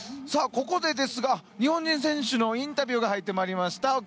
ここで日本人選手のインタビューが入ってまいりました。